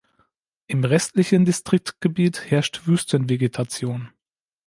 Im restlichen Distriktgebiet herrscht Wüstenvegetation.